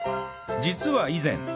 実は以前